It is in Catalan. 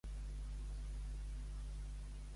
Al capellà, besa-li la mà.